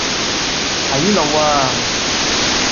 睇路呀